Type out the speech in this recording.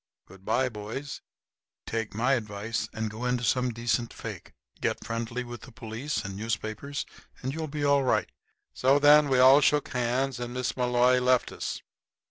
Good by, boys. Take my advice and go into some decent fake. Get friendly with the police and newspapers and you'll be all right." So then we all shook hands, and Miss Malloy left us.